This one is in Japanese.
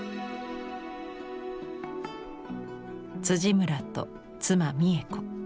村と妻・三枝子。